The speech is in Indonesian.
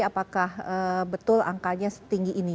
apakah betul angkanya setinggi ini